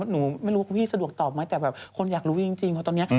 หนูไม่รู้ว่าพี่สะดวกตอบไหมแต่แบบคนอยากรู้จริงเพราะตอนนี้